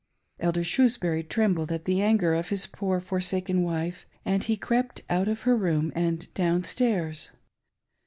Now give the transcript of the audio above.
Elder Shrewsbury trembled at the anger of his poor for saken wife, and he crept out of her room and downstairs.